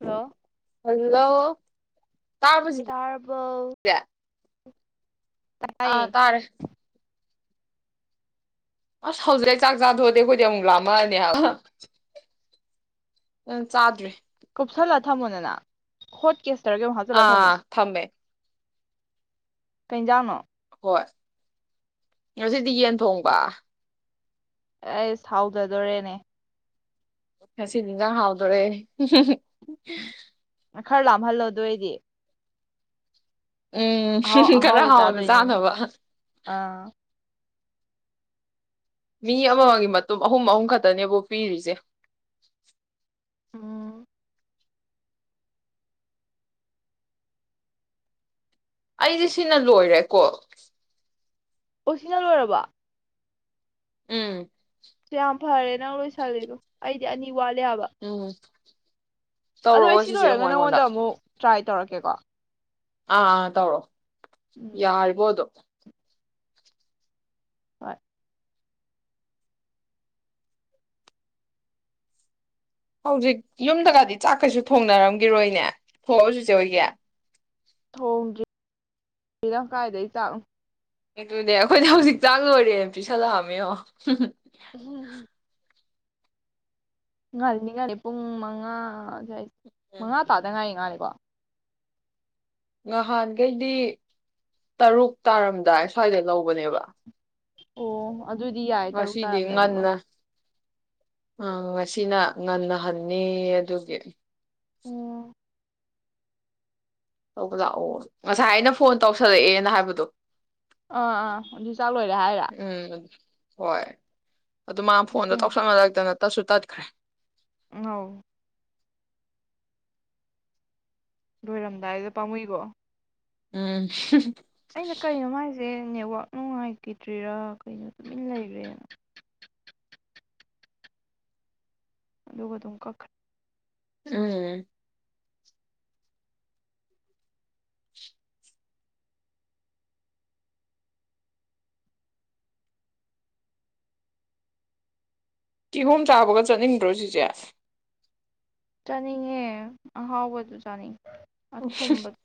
hello hello ꯇꯥꯔꯕꯣ ꯆꯤꯆꯦ ꯇꯥꯔꯕꯣ ꯑꯥ ꯇꯥꯏꯌꯦ ꯇꯥꯔꯦ ꯑꯁ ꯍꯧꯖꯤꯛꯇꯩ ꯆꯥꯛ ꯆꯥꯇꯣꯛꯑꯗꯤ ꯑꯩꯈꯣꯏꯗꯤ ꯑꯃꯨꯛ ꯂꯥꯝꯃꯛꯑꯅꯦ ꯍꯥꯏꯕ ꯑꯝ ꯆꯥꯗ꯭ꯔꯤ ꯀꯨꯞꯁꯜꯂ ꯊꯝꯃꯣꯗꯅ ꯍꯣꯠ ꯀꯦꯁ ꯑꯥ ꯊꯃꯦ ꯀꯩꯖꯥꯡꯅꯣ ꯍꯣꯏ ꯉꯁꯤꯗꯤ ꯌꯦꯟ ꯊꯣꯡꯕ ꯑꯩꯁ ꯊꯥꯎꯗꯗꯣꯔꯦꯅꯦ ꯉꯁꯤꯗꯤ ꯏꯪꯖꯥꯡ ꯍꯥꯎꯗꯣꯔꯦ ꯎꯍꯨꯝ ꯍꯨꯝ ꯎꯝ ꯑꯦ ꯈꯔ ꯂꯥꯝꯍꯜꯂꯣ ꯑꯗꯣꯑꯣꯢꯗꯤ ꯎꯝ ꯍꯨꯝ ꯍꯨꯝ ꯈꯔ ꯑꯍꯥꯎꯕ ꯍꯥꯎꯅ ꯆꯥꯗꯣꯏꯅꯦ ꯆꯥꯅꯕ ꯑꯥ ꯃꯤ ꯑꯃꯃꯝꯒꯤ ꯃꯇꯨꯡ ꯑꯍꯨꯝ ꯑꯍꯨꯝ ꯈꯛꯇꯅꯦꯕꯨ ꯄꯤꯔꯤꯁꯦ ꯎꯝ ꯑꯩꯁꯦ ꯁꯤꯅ ꯂꯣꯏꯔꯦꯀꯣ ꯑꯣ ꯁꯤꯅ ꯂꯣꯏꯔꯕꯣ ꯎꯝ ꯌꯥꯝ ꯐꯔꯦ ꯅꯪ ꯂꯣꯏꯁꯜꯂꯤꯗꯣ ꯑꯩꯗꯤ ꯑꯅꯤ ꯋꯥꯂꯦ ꯍꯥꯏꯕ [inaudible] ꯑꯗꯣ ꯑꯩ ꯁꯤ ꯆꯤꯆꯦ ꯂꯣꯏꯔꯒ ꯑꯃꯨꯛ ꯑꯩꯉꯣꯟꯗ ꯅꯪꯉꯣꯟꯗ ꯑꯃꯨꯛ ꯇ꯭ꯔꯥꯏ ꯇꯧꯔꯛꯀꯦꯀꯣ ꯑꯥ ꯑꯥ ꯇꯧꯔꯣ ꯎꯝ ꯌꯥꯔꯤꯕꯣꯗꯣ ꯍꯣꯏ ꯍꯧꯖꯤꯛ ꯌꯨꯝꯗꯒꯗꯤ ꯆꯥꯛ ꯀꯩꯁꯨ ꯊꯣꯡꯅꯔꯝꯒꯤꯔꯣꯏꯅꯦ ꯊꯣꯛꯉꯕꯣ ꯆꯤꯆꯦ ꯍꯣꯏꯒꯦ ꯊꯣꯡꯗ꯭ꯔꯤ [unintelligible] ꯀꯥꯏꯗꯩ ꯆꯥꯛꯅꯣ ꯑꯗꯨꯅꯦ ꯑꯩꯈꯣꯏꯗꯤ ꯍꯧꯖꯤꯛ ꯆꯥꯡ ꯂꯣꯏꯔꯦꯅ ꯄꯤꯁꯜꯂꯛꯑꯝꯃꯦꯉꯣ ꯎꯍꯝ ꯍꯝ ꯉꯂꯤ ꯉꯂꯦ ꯄꯨꯡ ꯃꯉꯥ ꯍꯩ ꯃꯉꯥ ꯇꯥꯗ ꯉꯥꯏꯔꯤ ꯉꯥꯜꯂꯦ [inaudible] ꯅꯍꯥꯟꯈꯩꯗꯤ ꯇꯔꯨꯛ ꯇꯥꯔꯝꯗꯥꯏ ꯁ꯭ꯋꯥꯏꯗ ꯂꯧꯕꯅꯦꯕ ꯑꯣ ꯑꯗꯨꯗꯤ ꯌꯥꯏ ꯇꯔꯨꯛ ꯇꯥꯔꯝꯗꯥꯏꯗꯤꯀꯣ ꯑ ꯉꯁꯤꯅ ꯉꯟꯅ ꯍꯟꯅꯤꯌꯦ ꯑꯗꯨꯒꯤ ꯎꯝ ꯂꯧꯕ ꯂꯥꯛꯑꯣ ꯉꯁꯥꯏ ꯑꯩꯅ ꯐꯣꯟ ꯇꯧ ꯁꯜꯂꯛ ꯑꯦꯅ ꯍꯥꯏꯕꯗꯣ ꯑꯥ ꯑꯥ ꯑꯗꯨ ꯆꯥꯛ ꯂꯣꯏꯔꯦ ꯍꯥꯏꯔ ꯎꯝ ꯍꯣꯏ ꯑꯗꯨ ꯃꯥ ꯐꯣꯟꯗꯣ ꯇꯧꯁꯟ ꯅꯔꯛꯇꯅ ꯇꯠꯁꯨ ꯇꯠ ꯈꯔꯦ ꯅꯣ ꯂꯣꯏꯔꯝ ꯗꯥꯏꯗꯨꯗ ꯄꯥꯝꯃꯨꯏꯀꯣ ꯎꯝ ꯑꯩꯅ ꯀꯩꯅꯣ ꯃꯥꯏꯁꯦ ꯅꯦꯠꯋꯥꯛ ꯅꯨꯡꯉꯥꯏ ꯈꯤꯗ꯭ꯔꯤꯔꯥ ꯀꯩꯅꯣ ꯇꯨꯃꯤꯟ ꯂꯩꯈ꯭ꯔꯦ ꯑꯗꯨꯒ ꯑꯗꯨꯨꯝ ꯀꯛꯈꯔꯦ ꯎꯝ ꯀꯤꯍꯣꯝ ꯆꯥꯕꯒ ꯆꯠꯅꯤꯡꯗ꯭ꯔꯣ ꯆꯤꯆꯦ ꯆꯥꯠ ꯅꯤꯡꯉꯦ ꯑꯍꯥꯎꯕꯗꯨ ꯆꯥꯅꯤꯡꯉꯦ ꯑ ꯊꯨꯝꯕꯗꯣ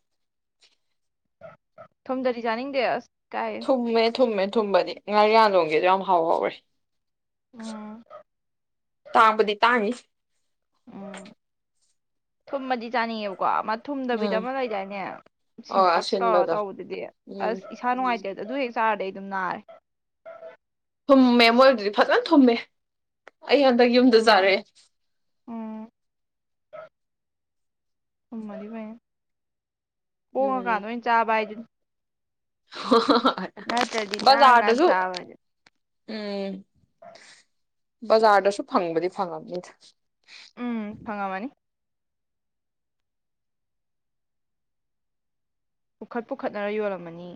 ꯊꯨꯝꯗꯗꯤ ꯌꯥꯥꯅꯤꯡꯗꯦ ꯑꯁ ꯀꯥꯏ ꯊꯨꯝꯃꯦ ꯊꯨꯝꯃꯦ ꯊꯨꯝꯕꯗꯤ ꯉꯥꯔꯤꯌꯥꯟ ꯂꯣꯝ ꯒꯤ ꯌꯥꯝ ꯍꯥꯎꯍꯧ ꯔꯦ ꯎꯝ ꯇꯥꯡꯕꯗꯤ ꯇꯥꯡꯅꯤ ꯎꯝ ꯊꯨꯝꯃꯗꯤ ꯆꯥꯅꯤꯡ ꯑꯦꯕ ꯀꯣ ꯑꯃ ꯊꯨꯝꯗꯕꯤꯗ ꯎꯝ ꯑꯃ ꯂꯩꯗꯥꯏꯅꯦ ꯑꯣ ꯁꯤꯟꯇꯛ ꯇꯧꯔ ꯑꯁꯤꯟꯕꯗꯣ ꯇꯧꯕꯗꯨꯗꯤ ꯎꯝ ꯑꯁ ꯏꯁꯥ ꯅꯨꯡꯉꯥꯏꯇꯦꯗ ꯑꯗꯨ ꯍꯦꯛ ꯆꯥꯔꯗꯩ ꯑꯗꯨꯝ ꯅꯥꯔꯦ ꯊꯨꯝꯃꯦ ꯃꯣꯏꯗꯨꯗꯤ ꯐꯖꯟꯅ ꯊꯨꯝꯃꯦ ꯑꯩ ꯍꯟꯗꯛ ꯌꯨꯝꯗ ꯊꯨꯝ ꯆꯥꯔꯛꯑꯦ ꯎꯝ ꯊꯨꯝꯃꯗꯤ ꯐꯩ ꯍꯣꯡꯉꯥꯀꯥꯟꯗ ꯑꯣꯏꯅ ꯆꯥꯕ ꯍꯥꯏꯗꯨꯅꯤ ꯍ ꯍ ꯍ ꯅꯠꯇ꯭ꯔꯗꯤ ꯇꯥꯡ ꯑꯀꯥꯟꯗ ꯆꯥꯕꯗꯤ ꯎꯝ ꯕꯖꯥꯔꯗꯁꯨ ꯐꯪꯕꯗꯤ ꯐꯪꯉꯝꯅꯤꯗ ꯎꯝ ꯐꯪꯉꯝꯃꯅꯤ ꯄꯨꯈꯠ ꯄꯨꯈꯠꯅꯔ ꯌꯣꯜꯂꯝꯃꯅꯤ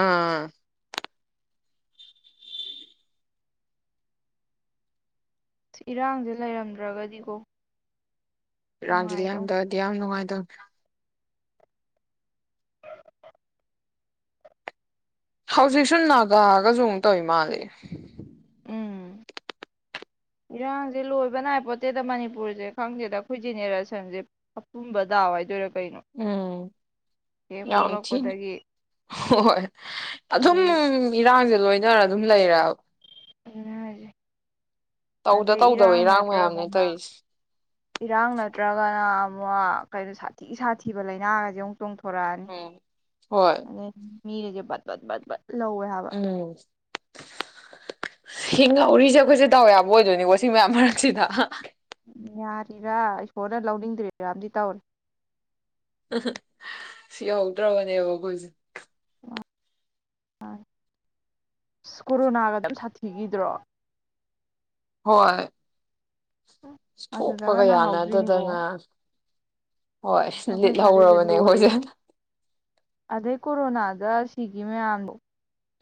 ꯑꯥ ꯏꯔꯥꯡꯁꯦ ꯂꯩꯔꯝꯗ꯭ꯔꯒꯗꯤꯀꯣ ꯏꯔꯥꯡꯖꯤ ꯅꯨꯡꯉꯥꯏꯗꯧ ꯂꯩꯝꯗ꯭ꯔꯗꯤ ꯌꯥꯝ ꯅꯨꯡꯉꯥꯏ [inaudible] ꯍꯧꯖꯤꯛ ꯁꯨ ꯅꯥꯒꯥ ꯒꯁꯨ ꯑꯃꯨꯛ ꯇꯧꯢ ꯃꯥꯜꯂꯦ ꯎꯝ ꯏꯔꯥꯡꯁꯦ ꯂꯣꯏꯕ ꯅꯥꯏ ꯄꯣꯠꯠꯇꯦꯗ ꯃꯅꯤꯄꯨꯔꯁꯦ ꯈꯪꯗꯦꯗ ꯑꯩꯈꯣꯏ ꯖꯦꯅꯦꯔꯦꯁꯟꯁꯦ ꯑꯄꯨꯝꯕ ꯗꯥꯎ ꯍꯥꯏꯗꯣꯏꯔꯥ ꯀꯩꯅꯣ ꯎꯝ ꯍꯦꯛ ꯌꯥꯝ ꯊꯤꯅ ꯄꯣꯛꯂꯛꯄꯗꯒꯤ ꯍꯣꯏ ꯑꯗꯨꯝ ꯑꯗꯩ ꯏꯔꯥꯡꯁꯦ ꯂꯣꯏꯅꯔ ꯑꯗꯨꯝ ꯂꯩꯔ ꯑꯗꯨꯅꯦ ꯍꯥꯢꯖꯦ ꯇꯧꯗ ꯑꯗꯩ ꯇꯧꯗꯕ ꯏꯔꯥꯡ ꯃꯌꯥꯝꯅꯦ ꯅꯠꯇ꯭ꯔꯒꯅ ꯇꯧꯔꯤꯁꯦ ꯏꯔꯥꯡ ꯅꯠꯇ꯭ꯔꯒꯅ ꯩꯅꯣ ꯁꯥꯊꯤ ꯁꯥꯊꯤꯕ ꯂꯥꯏꯅꯥꯒꯁꯦ ꯑꯃꯨꯛꯛꯇꯣꯡ ꯍꯧꯔꯑꯅꯤ ꯎꯝ ꯍꯣꯏ ꯑꯗꯨ ꯃꯤꯒꯖꯦ ꯄꯠꯄꯠ ꯂꯧꯋꯦ ꯍꯥꯏꯕ ꯍꯤꯡ ꯉꯧꯔꯤꯁꯦ ꯑꯩꯈꯣꯏꯁꯦ ꯇꯧ ꯌꯥꯕ ꯑꯣꯏꯗꯣꯏꯅꯤꯀꯣ ꯁꯤ ꯃꯌꯥꯝ ꯃꯔꯛꯁꯤꯗ ꯎ ꯌꯥꯔꯤꯔꯥ ꯏꯁꯣꯔꯅ ꯂꯧꯅꯤꯡꯗ꯭ꯔꯤꯔꯥꯝꯗꯤ ꯇꯧꯔꯤ ꯁꯤꯍꯧꯗ꯭ꯔꯕꯅꯦꯕ ꯑꯩꯈꯣꯏꯁꯦ ꯑ ꯀꯣꯔꯣꯅꯥꯒ ꯗꯣ ꯌꯥꯝ ꯁꯥꯊꯤꯈꯤꯗ꯭ꯔꯣ ꯍꯣꯏ ꯑꯗꯨꯗꯒ ꯊꯣꯛꯄꯒ ꯌꯥꯅ ꯅꯥꯍꯧꯗ꯭ꯔꯤꯅꯤꯀꯣ ꯗꯗꯅ ꯑꯩꯈꯣꯏ ꯁꯥꯢ ꯍꯨꯖꯤꯛꯁꯦ ꯑꯩꯈꯣꯏꯁꯦ ꯂꯣꯏꯔꯦ ꯑꯗꯩ ꯀꯣꯔꯣꯅꯥ ꯗ ꯁꯤꯒꯤ ꯃꯌꯥꯝꯗꯣ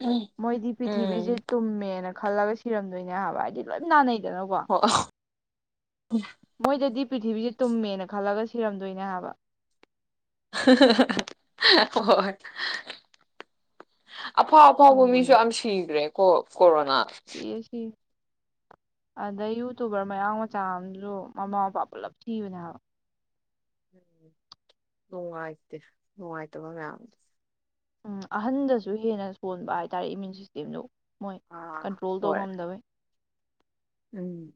ꯎꯝ ꯃꯣꯏꯗꯤ ꯄꯤꯔꯤꯊꯤꯕꯤꯁꯦ ꯎꯝ ꯇꯨꯝꯃꯦꯅ ꯈꯜꯂꯒ ꯁꯤꯔꯝꯗꯣꯏꯅꯦ ꯍꯥꯏꯕ ꯍꯥꯏꯗꯤ ꯂꯣꯏ ꯅꯥꯅꯩ ꯗꯅꯀꯣ ꯎꯝ ꯃꯣꯏꯗꯗꯤ ꯄ꯭ꯔꯤꯊꯤꯕꯤꯁꯦ ꯇꯨꯝꯃꯦꯅ ꯈꯜꯂꯒ ꯁꯤꯔꯝꯗꯣꯏꯅꯦ ꯍꯥꯏꯕ ꯍꯣꯏ ꯑꯐꯥꯎ ꯑꯐꯥꯎꯕ ꯃꯤꯁꯨ ꯌꯥꯝ ꯁꯤꯈ꯭ꯔꯦ ꯀꯣ ꯀꯣꯔꯣ ꯌꯦꯁꯤ ꯑꯗ ꯌꯨꯇꯨꯕꯔ ꯃꯌꯥꯡ ꯃꯆꯥ ꯑꯃꯁꯁꯨ ꯃꯃꯥ ꯃꯄꯥ ꯄꯨꯂꯞ ꯊꯤꯕꯅꯦ ꯍꯥꯏꯕ ꯅꯨꯡꯉꯥꯏꯇꯦ ꯅꯨꯡꯉꯥꯏꯇꯕ ꯃꯌꯥꯝ ꯎꯝ ꯑꯍꯟꯗꯁꯨ ꯍꯦꯟꯅ ꯁꯣꯟꯕ ꯍꯥꯏꯇꯥꯔꯦ ꯏꯃ꯭ꯌꯨꯟ ꯁꯤꯁꯇꯦꯝꯗꯨ ꯃꯣꯏ ꯑꯥ ꯀꯟꯇ꯭ꯔꯣꯜ ꯇꯧ ꯍꯣꯏ ꯉꯝꯗꯕꯩ ꯎꯝ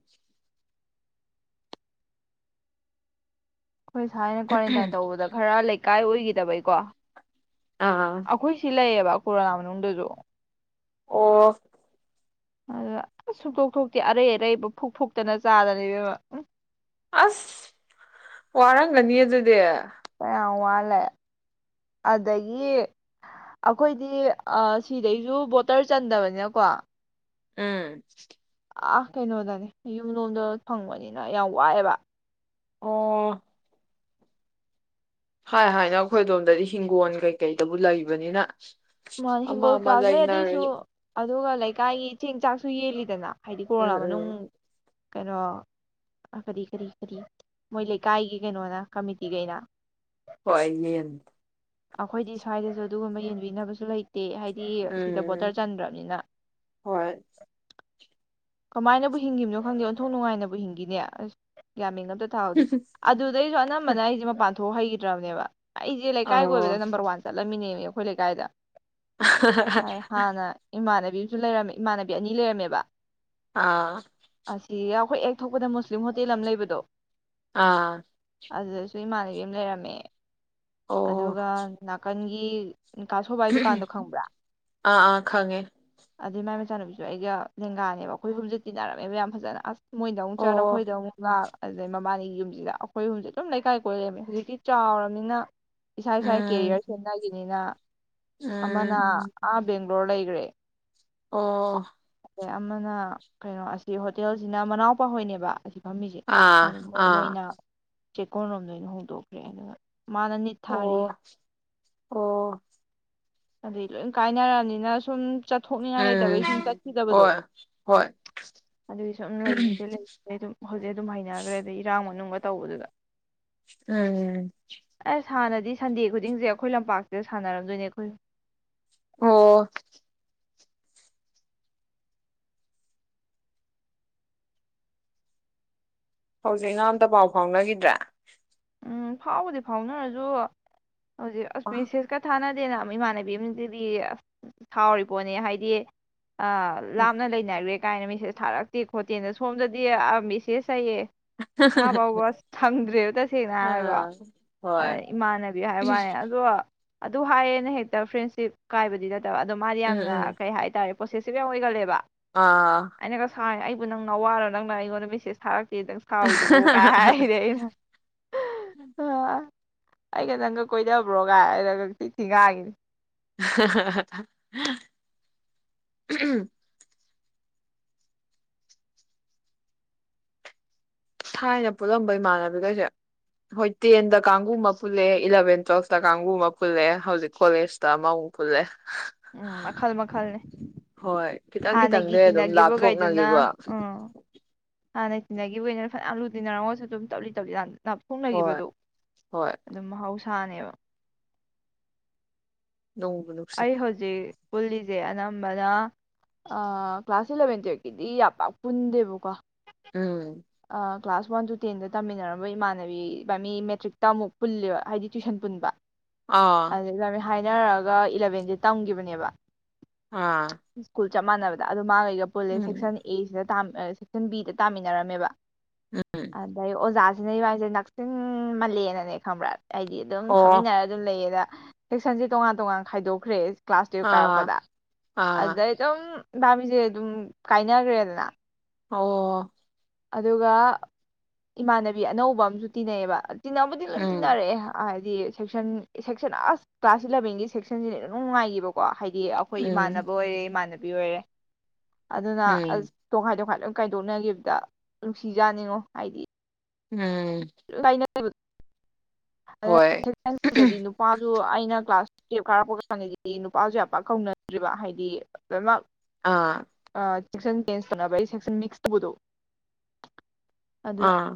ꯑꯩꯈꯣꯏ ꯁꯥꯏꯅ ꯀ꯭ꯋꯥꯔꯦꯟꯇꯥꯏꯟ ꯇꯧꯕꯗ ꯈꯔ ꯂꯩ ꯀꯥꯏ ꯑꯣꯏꯈꯤꯗꯕꯩꯀꯣ ꯑꯥ ꯑꯩꯈꯣꯏ ꯁꯤ ꯂꯩꯌꯦꯕ ꯀꯣꯔꯣꯅꯥ ꯃꯅꯨꯡꯗꯁꯨ ꯑꯣ ꯑꯗꯨ ꯑ ꯁꯨꯛꯇꯣꯛ ꯊꯣꯛꯇꯦ ꯑꯔꯩ ꯑꯔꯩꯕ ꯐꯨꯛ ꯐꯨꯛꯇꯅ ꯆꯥꯗꯅ ꯏꯕꯦꯝꯃ ꯎ ꯑꯁ ꯋꯥꯔꯝꯒꯅꯤ ꯑꯗꯨꯗꯤ ꯀꯌꯥꯝ ꯋꯥꯠꯂꯦ ꯑꯗꯒꯤ ꯑꯩꯈꯣꯏꯗꯤ ꯑ ꯁꯤꯗꯩꯁꯨ ꯕꯣꯇꯔ ꯆꯟꯗꯕꯅꯤꯀꯣ ꯎꯝ ꯑ ꯀꯩꯅꯣꯗꯅꯦ ꯌꯨꯝꯂꯣꯝꯗ ꯐꯪꯕꯅꯤꯅ ꯌꯥꯝ ꯋꯥꯏꯑꯦꯕ ꯑꯣ ꯍꯥꯏ ꯍꯥꯏꯅ ꯑꯩꯈꯣꯏ ꯑꯗꯣꯝꯗꯗꯤ ꯍꯤꯡꯒꯣꯜ ꯀꯩꯀꯩꯗꯕꯨ ꯂꯩꯕꯅꯤꯅ ꯃꯥꯅ ꯑꯃ ꯍꯤꯡꯒꯣꯟ ꯑꯃ ꯀꯥꯗ꯭ꯔꯦ ꯂꯩꯅꯔꯦ ꯑꯗꯣꯢꯁꯨ ꯑ ꯑꯗꯨꯒ ꯂꯩꯀꯥꯏꯒꯤ ꯆꯦꯡ ꯆꯥꯛꯁꯨ ꯌꯦꯜꯂꯤꯗꯅ ꯍꯥꯏꯗꯤ ꯀꯣꯔꯣꯅꯥ ꯎꯝ ꯃꯅꯨꯡ ꯎꯝ ꯀꯩꯅꯣ ꯑ ꯀꯔꯤ ꯀꯔꯤ ꯀꯔꯤ ꯃꯣꯏ ꯂꯩꯀꯥꯏꯒꯤ ꯀꯩꯅꯣꯅ ꯀꯃꯤꯇꯤꯒꯩꯅ ꯍꯣꯏ ꯌꯦꯟ ꯑꯩꯈꯣꯏꯗꯤ ꯁ꯭ꯋꯥꯏꯗꯁꯨ ꯑꯗꯨꯒꯨꯝꯕ ꯌꯦꯡꯕꯤꯅꯕꯁꯨ ꯂꯩ ꯗꯦ ꯍꯥꯏꯗꯤ ꯁꯤꯗ ꯎꯝ ꯕꯣꯇꯔ ꯆꯟꯗ꯭ꯔꯕꯅꯤꯅ ꯍꯣꯏ ꯀꯃꯥꯏꯅꯕꯨ ꯍꯤꯡꯉꯤꯕꯅꯣ ꯈꯪꯗꯦ ꯑꯣꯟꯊꯣꯛ ꯅꯨꯡꯉꯥꯏꯅꯕꯨ ꯍꯤꯡꯉꯤꯅꯦ ꯑꯁ ꯒꯌꯥꯟ ꯃꯦꯟ ꯑꯝ ꯊꯥꯍꯧꯗꯦ ꯑꯗꯨꯗꯩꯁꯨ ꯑꯅꯝꯕꯅ ꯑꯩꯁꯦ ꯃꯄꯥꯟ ꯊꯣꯛ ꯍꯩꯈꯤꯗ꯭ꯔꯕꯅꯦꯕ ꯑꯩꯖꯦ ꯂꯩꯀꯥꯏ ꯑꯣ ꯀꯣꯏꯕꯗ ꯅꯝꯕꯔ ꯋꯥꯟ ꯆꯠ ꯆꯃꯤꯟꯅꯦꯃꯤ ꯑꯩꯈꯣꯏ ꯂꯩꯀꯥꯏꯗ ꯍꯥꯟꯅ ꯏꯃꯥꯅꯦ ꯂꯩꯔꯝꯃꯦ ꯏꯃꯥꯟꯅꯕꯤ ꯑꯅꯤ ꯂꯩꯔꯝꯃꯦꯕ ꯑꯥ ꯑꯥ ꯑꯁꯤꯒ ꯑꯈꯣꯏꯑꯦ ꯊꯣꯛꯄꯗ ꯃꯨꯁꯂꯤꯝ ꯍꯣꯇꯦꯜ ꯑꯃ ꯂꯩꯕꯗꯣ ꯑꯥ ꯑꯗꯨꯗꯁꯨ ꯏꯃꯥꯟꯅꯕꯤ ꯑꯃ ꯂꯩꯔꯝꯃꯦ ꯑꯗꯨꯒ ꯅꯥꯀꯟ ꯒꯤ ꯎꯝ ꯍꯨ ꯎꯝꯍꯨ ꯑꯥ ꯑꯥ ꯈꯪꯉꯦ ꯑꯗꯩ ꯃꯥꯏ ꯃꯆꯥꯅꯨꯕꯤꯁꯨ ꯑꯩꯒ ꯂꯦꯡꯒꯥꯅꯦꯕ ꯑꯩꯈꯣꯏ ꯍꯨꯝꯖꯤ ꯇꯤꯟꯅꯔꯝꯃꯦꯕ ꯌꯥꯝ ꯐꯖꯅ ꯑꯁ ꯃꯣꯏꯗ ꯑꯃꯨꯛ ꯆꯠ ꯑꯣ ꯑꯩꯈꯣꯏꯗ ꯑꯃꯨꯛ ꯂꯥꯛ ꯑꯗꯨꯗꯩ ꯃꯕꯥꯅꯤꯒꯤ ꯌꯨꯝꯁꯤꯗ ꯑꯩꯈꯣꯏ ꯍꯨꯝꯁꯦ ꯑꯗꯨꯝ ꯂꯩꯀꯥꯏ ꯀꯣꯏꯂꯩꯔꯃꯦ ꯍꯧꯖꯤꯛꯇꯤ ꯆꯥꯎꯔꯝꯅꯤꯅ ꯏꯁꯥ ꯏꯁꯥꯏ ꯎꯝ ꯀꯦꯔꯤꯌꯔ ꯁꯦꯝꯅꯒꯤ ꯅꯤꯅ ꯑꯃꯅ ꯎꯝ ꯑꯥ ꯕꯦꯡ ꯂꯣꯔ ꯂꯩꯩꯒ꯭ꯔꯦ ꯑꯣ ꯇꯩ ꯑꯃꯅ ꯀꯩꯅꯣ ꯑꯁꯤ ꯍꯣꯇꯦꯜꯁꯤꯅ ꯃꯅꯥꯎꯄꯥꯍꯣꯏꯅꯦꯕ ꯐꯝꯃꯤꯁꯦ ꯑꯥ ꯑꯗꯨ ꯃꯣꯏ ꯑꯥ ꯃꯣꯏꯅ ꯆꯦꯛꯀꯣꯟ ꯂꯣꯝꯗ ꯑꯣꯏꯅ ꯍꯣꯡꯗꯣꯛꯀꯦꯅ ꯃꯥꯅ ꯅꯤꯠ ꯊꯥꯔꯤ ꯑꯣ ꯑꯣ ꯑꯗꯩ ꯂꯣꯏ ꯀꯥꯏꯅꯔꯕꯅꯤꯅ ꯁꯨꯝ ꯆꯠꯊꯣꯛꯅꯤꯡꯉꯥꯏ ꯎꯝ ꯂꯩꯇꯕꯒꯤ ꯁꯨꯝ ꯆꯠꯈꯤꯗꯕꯗꯣ ꯍꯣꯏ ꯍꯣꯏ ꯑꯗꯨꯒꯤ ꯁꯨꯝ ꯂꯩꯈꯤꯕꯗꯩ ꯂꯩꯒ꯭ꯔꯦ ꯑꯗꯨꯝ ꯍꯧꯖꯤꯛ ꯑꯗꯨꯝ ꯍꯩꯅꯈ꯭ꯔꯦ ꯑꯗꯩ ꯏꯔꯥꯡ ꯃꯇꯝ ꯅꯨꯡꯒ ꯇꯧꯕꯗꯨꯗ ꯑꯥ ꯑꯁ ꯍꯥꯟꯅꯗꯤ ꯁꯟꯗꯦ ꯈꯨꯗꯤꯡꯁꯦ ꯑꯩꯈꯣꯏ ꯂꯝꯄꯥꯛꯁꯤꯗ ꯁꯥꯟꯅꯔꯝꯗꯣꯏꯅꯦ ꯑꯩꯈꯣꯏ ꯑꯣ ꯍꯧꯖꯤꯛꯅ ꯑꯝꯇ ꯄꯥꯎ ꯐꯥꯎꯅꯈꯤꯗ꯭ꯔꯦ ꯎꯝ ꯐꯥꯎꯕꯨꯗꯤ ꯐꯥꯎꯅꯔꯁꯨ ꯍꯧꯖꯤꯛ ꯑꯁ ꯃꯤꯁꯤꯁ ꯀ ꯊꯥꯅꯗ ꯑꯗꯨ ꯏꯃꯥꯟꯅꯕꯤ ꯑꯃꯁꯤꯗꯤ ꯑꯁ ꯁꯥꯎꯔꯤ ꯄꯣꯠꯅꯦ ꯍꯥꯏꯗꯤ ꯑ ꯂꯥꯞꯅ ꯂꯩꯅꯒ꯭ꯔꯦ ꯀꯥꯏꯅ ꯃꯦꯁꯦꯁ ꯊꯥꯔꯛꯇꯦ ꯈꯣꯠꯇꯦꯅ ꯁꯣꯝꯗꯗꯤ ꯃꯤꯁꯦꯁ ꯍꯥꯢꯌꯦ ꯏꯁꯥ ꯐꯥꯎꯕꯗ ꯁꯪꯗ꯭ꯔꯦ ꯁꯦꯡꯅ ꯍꯥꯏꯔꯒꯀꯣ ꯑꯥ ꯍꯣꯏ ꯏꯃꯥꯟꯅꯕꯤ ꯍꯥꯏꯕ ꯋꯥꯅꯦ ꯑꯗꯣ ꯑꯗꯨ ꯍꯥꯏꯌꯦꯅ ꯍꯦꯛꯇ ꯐ꯭ꯔꯦꯟꯁꯤꯞ ꯀꯥꯏꯕꯗꯤ ꯅꯠꯇꯦ ꯑꯗꯣ ꯃꯥꯗꯤ ꯎꯝ ꯌꯥꯝꯅ ꯎꯝ ꯀꯩ ꯍꯥꯏꯇꯥꯔꯦ ꯄꯣꯁꯦꯁꯤꯚ ꯌꯥꯝ ꯑꯣꯏꯒꯜꯂꯦꯕ ꯑꯥ ꯑꯩꯅꯒ ꯁꯥꯎꯑꯦ ꯑꯩ ꯅꯪ ꯅꯥꯋꯥꯔꯣ ꯅꯪꯅ ꯑꯩꯉꯣꯟꯗ ꯃꯦꯁꯦꯁ ꯊꯔꯛ ꯇꯦ ꯁꯥꯎꯏꯗꯨꯕꯣ ꯀꯥꯏ ꯍꯥꯏꯔꯤꯅꯦ ꯑꯩꯅ ꯎꯝ ꯑꯥ ꯑꯩꯒ ꯅꯪꯒ ꯀꯣꯏꯅꯕ꯭ꯔꯣꯒꯥꯏꯔꯒ ꯊꯤ ꯊꯤꯅ ꯉꯥꯡꯉꯤꯅꯤ ꯍꯥꯍꯥꯍꯥ ꯎꯍꯝ ꯊꯥꯏꯅ ꯄꯨꯜꯂꯝꯕ ꯏꯃꯥꯟꯅꯕꯤꯈꯩꯁꯦ ꯍꯣꯏ ꯇꯦꯟꯗ ꯀꯥꯡꯕꯨ ꯑꯃ ꯄꯨꯜꯂꯦ ꯏꯂꯚꯦꯟ ꯇꯨꯋꯦꯜꯐꯇ ꯀꯥꯡꯕꯨ ꯑꯃ ꯄꯨꯜꯂꯦ ꯍꯧꯖꯤꯛ ꯀꯣꯂꯦꯖꯇ ꯑꯃꯃꯨꯛ ꯄꯨꯜꯂꯦ ꯎꯝ ꯃꯈꯜ ꯃꯈꯜꯅꯦ ꯍꯣꯏ ꯈꯤꯇꯪ ꯍꯥꯟꯅꯒꯤ ꯈꯤꯇꯪꯗꯤ ꯑꯗꯨꯝ ꯇꯤꯟꯅꯈꯤꯕꯈꯩꯗꯨꯅ ꯂꯥꯞꯊꯣꯛꯅꯒꯤꯀꯣ ꯎꯝ ꯍꯥꯟꯅ ꯇꯤꯅꯒꯤꯕꯒꯩꯗꯨꯅ ꯐꯅ ꯂꯨꯅ ꯇꯤꯟꯅꯔꯝꯒꯁꯨ ꯑꯗꯨ ꯇꯞꯂꯤ ꯇꯞꯂꯤ ꯍꯣꯏ ꯂꯥꯞꯊꯣꯛꯅꯈꯤꯕꯗꯣ ꯍꯣꯏ ꯑꯗꯨꯝ ꯃꯍꯥꯎꯁ ꯁꯥꯅꯦꯕ ꯅꯨꯡꯕꯨ ꯅꯨꯡꯁꯤ ꯑꯩ ꯍꯧꯖꯤꯛ ꯄꯨꯜꯂꯤꯁꯦ ꯑꯅꯝꯕꯅ ꯀ꯭ꯂꯥꯁ ꯏꯂꯚꯦꯟ ꯇꯨꯌꯦꯜꯞꯀꯤꯗꯤ ꯌꯥꯝ ꯄꯥꯛ ꯄꯨꯟꯗꯦꯕꯀꯣ ꯎꯝ ꯑ, ꯀ꯭ꯂꯥꯁ ꯋꯥꯟ ꯇꯨ ꯇꯦꯟꯗ ꯇꯝꯃꯤꯟꯅꯔꯝꯕ ꯏꯃꯥꯟꯅꯕꯤꯕꯥ ꯃꯤ ꯃꯦꯇ꯭ꯔꯤꯛꯇ ꯑꯃꯨꯛ ꯄꯨꯜꯂꯦꯕ ꯍꯥꯏꯗꯤ ꯇꯨꯋꯏꯁꯟ ꯄꯨꯟꯕ ꯑꯥ ꯍꯥꯏꯅꯔꯛ ꯑꯥ ꯏꯂꯚꯦꯟꯁꯦ ꯇꯝꯒꯤꯕꯅꯦꯕ ꯑꯥ ꯆꯞ ꯃꯥꯟꯅꯕꯗ ꯑꯗꯨ ꯃꯥꯒꯥ ꯄꯨꯜꯂꯦ ꯎꯝ ꯁꯦꯛꯁꯟ ꯑꯦꯁꯤꯗ ꯇꯥꯃꯤꯟ ꯁꯦꯛꯁꯟ ꯕꯤꯗ ꯇꯥꯃꯤꯟ ꯅꯔꯝꯃꯦꯕ ꯑꯗꯩ ꯑꯣꯖꯥ ꯗꯩ ꯏꯕꯥꯟꯅꯤꯖ ꯅꯛꯁꯤꯟꯃꯜꯂꯦꯅꯅꯦ ꯈꯪꯕ꯭ꯔꯥ ꯍꯥꯏꯗꯤ ꯑꯗꯨꯝ ꯑꯣ ꯐꯝꯃꯤꯟꯅꯔ ꯑꯗꯨꯝ ꯂꯩꯌꯦꯕ ꯇꯨꯁꯟꯁꯦ ꯇꯣꯉꯥꯟ ꯇꯣꯉꯥꯟ ꯈꯥꯏꯗꯣꯛꯈ꯭ꯔꯦ ꯀ꯭ꯂꯥꯁ ꯇꯨꯋꯦꯞ ꯑꯥ ꯀꯥꯔꯛꯄꯗ ꯑꯥ ꯑꯗꯨꯗꯩ ꯑꯗꯨꯝ ꯢꯕꯥꯟꯅꯤꯁꯦ ꯑꯗꯨꯝ ꯀꯥꯏꯅ ꯒꯔꯦꯗꯅ ꯑꯣ ꯑꯗꯨꯒ ꯏꯃꯥꯟꯅꯕꯤ ꯑꯅꯧꯕ ꯑꯃꯁꯨ ꯇꯤꯟꯅꯩ ꯑꯦꯕ ꯇꯤꯟꯅꯕꯨꯗꯤ ꯂꯣꯏ ꯎꯝ ꯇꯤꯟꯅꯔꯛꯑꯦ ꯍꯥꯏꯗꯤ ꯁꯦꯛꯁꯟ ꯁꯦꯛꯁꯟ ꯑꯁ ꯀ꯭ꯂꯥꯁ ꯏꯂꯦꯚꯦꯟꯒꯤ ꯁꯦꯛꯁꯟꯁꯤ ꯏꯅꯨꯡ ꯅꯨꯡꯉꯥꯏꯈꯤꯕꯀꯣ ꯍꯥꯏ ꯗꯤ ꯑꯩꯈꯣꯏ ꯎꯝ ꯏꯃꯥꯟꯅꯕ ꯑꯣꯌꯦ ꯃꯥꯗꯣ ꯗꯤ ꯑꯣꯢꯔꯦ ꯑꯗꯨꯅ ꯑꯁ ꯎꯝ ꯇꯣꯈꯥꯏ ꯇꯣꯛꯈꯥꯏ ꯈꯥꯏꯗꯣꯛꯅꯈꯤꯕꯗ ꯅꯨꯡꯁꯤꯖꯥꯠꯅꯤꯉꯣ ꯍꯥꯏꯗꯤ ꯎꯝ ꯂꯩꯅ [unintelligible] ꯑꯗꯨꯅ ꯍꯣꯏ ꯁꯦꯛꯁꯟ ꯕꯤꯗꯗꯤ ꯅꯨꯄꯥꯁꯨ ꯑꯩꯅ ꯑꯩꯅ ꯀ꯭ꯂꯥꯁ ꯇꯨꯌꯦꯞ ꯀꯥꯔꯛꯄ ꯀꯥꯟꯗꯗꯤ ꯅꯨꯄꯥꯁꯨ ꯌꯥꯝ ꯄꯥꯛ ꯀꯧꯅꯗ꯭ꯔꯤꯕ ꯍꯥꯏꯗꯤ ꯂꯣꯏꯅꯃꯛ ꯑꯥ ꯁꯦꯛꯁꯟ ꯆꯦꯟꯁ ꯇꯧꯕꯒꯤ ꯁꯦꯛꯁꯟ ꯃꯤꯛꯁ ꯇꯧꯕꯗꯣ ꯑꯗꯨꯅ ꯑꯥ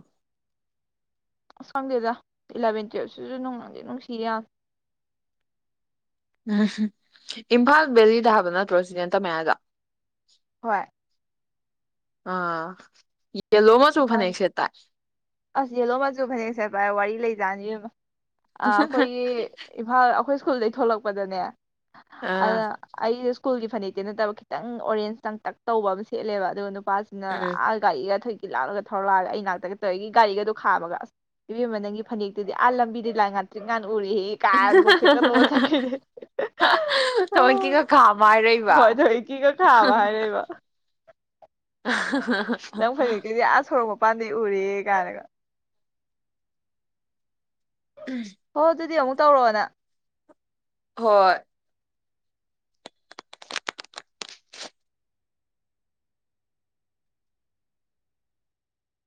ꯑꯁ ꯈꯪꯗꯦꯗ ꯏꯂꯦꯚꯦꯟ ꯇꯨꯋꯦꯞꯁꯤꯁꯨ ꯅꯨꯡꯕꯨꯗꯤ ꯅꯨꯡꯁꯤ ꯌꯥꯝ ꯎꯝ ꯏꯝꯐꯥꯜ ꯕꯦꯂꯤꯗ ꯍꯥꯏꯕ ꯅꯠꯇ꯭ꯔꯣ ꯆꯤꯆꯦ ꯇꯝꯃꯛꯑꯦ ꯍꯥꯏꯗꯣ ꯍꯣꯏ ꯑꯥ ꯌꯦꯜꯂꯣ ꯃꯆꯨ ꯐꯅꯦꯛ ꯑ ꯁꯦꯠꯇꯥꯏ ꯑꯁ ꯌꯦꯂꯣ ꯃꯥꯁꯨ ꯐꯅꯦꯛ ꯁꯦꯠ ꯉꯥꯢ ꯋꯥꯔꯤ ꯂꯩ ꯖꯠꯅꯤ ꯏꯕꯦꯝꯃ ꯑ ꯑꯩꯈꯣꯏꯒꯤ ꯏꯝꯐꯥꯜ ꯑꯩꯈꯣꯏ ꯁ꯭ꯀꯨꯜꯗꯩ ꯊꯣꯛꯂꯛꯄꯗꯅꯦ ꯑꯗ ꯑꯥ ꯑꯩ ꯁ꯭ꯀꯨꯜꯒꯤ ꯐꯅꯦꯛꯇꯤ ꯅꯠꯇꯕ ꯈꯤꯇꯪ ꯑꯣꯔꯦꯟꯖ ꯇꯪꯇꯛ ꯇꯧꯕ ꯑꯃ ꯁꯦꯠꯂꯦꯕ ꯑꯗꯨꯒ ꯄꯁꯤꯅ ꯎꯝ ꯑ ꯒꯒꯥꯔꯤꯒ ꯊꯣꯏ ꯂꯥꯑꯂꯒ ꯊꯔꯛꯑꯒ ꯑꯩ ꯅꯥꯛꯇꯒ ꯇꯧꯔꯤꯒꯤ ꯒꯥꯔꯤꯒꯗꯣ ꯈꯥꯃꯒ ꯏꯕꯦꯝꯃꯕ ꯅꯪꯒꯤ ꯐꯅꯦꯛꯇꯨꯗꯤ ꯑꯥ ꯂꯝꯕꯤꯗꯤ ꯂꯥꯏ ꯉꯥꯛꯇ꯭꯭ꯔꯤꯛ ꯉ ꯎꯔꯤꯑꯦ ꯀꯥ ꯅꯨꯣꯛꯐꯦꯠꯀ ꯅꯣꯛꯑ ꯆꯠꯈꯤꯅꯦ ꯊꯑꯣꯏꯀꯤꯒ ꯈꯥꯝꯃ ꯍꯥꯏꯔꯛꯏꯕ ꯍꯣꯏ ꯑꯗꯨ ꯀꯤꯒ ꯊꯥꯕ ꯍꯥꯏꯔꯤꯕ ꯅꯪ ꯐꯅꯦꯛ ꯇꯨꯗꯤ ꯑꯥ ꯁꯣꯔꯛ ꯃ ꯄꯥꯟꯗꯤ ꯎꯔꯤꯌꯦ ꯀꯅꯒ ꯍꯣ ꯑꯗꯨꯗꯤ ꯑꯃꯨꯛ ꯇꯧꯔꯛꯑꯣꯅ ꯍꯣꯏ